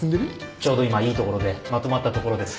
ちょうど今いいところでまとまったところです。